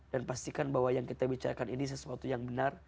pastikan bahwa yang kita bicarakan ini sesuatu yang benar